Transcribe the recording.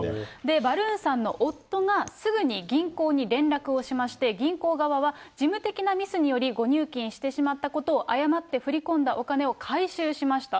バルーンさんの夫がすぐに銀行に連絡をしまして、銀行側は、事務的なミスにより誤入金してしまったことを謝って、振り込んだお金を回収しました。